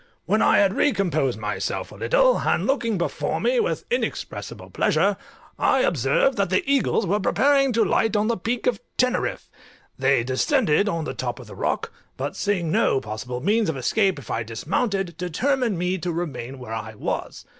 When I had recomposed myself a little, and looking before me with inexpressible pleasure, I observed that the eagles were preparing to light on the peak of Teneriffe: they descended on the top of the rock, but seeing no possible means of escape if I dismounted determined me to remain where I was.